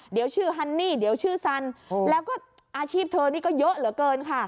เดี๋ยวชื่อฮันนี่เดี๋ยวชื่อสันแล้วก็อาชีพเธอนี่ก็เยอะเหลือเกินค่ะ